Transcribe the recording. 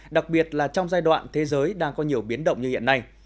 đặc biệt là trong giai đoạn thế giới đang có nhiều biến động như hiện nay